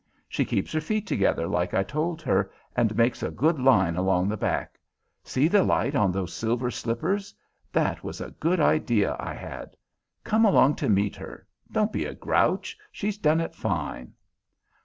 She keeps her feet together like I told her, and makes a good line along the back. See the light on those silver slippers, that was a good idea I had. Come along to meet her. Don't be a grouch; she's done it fine!"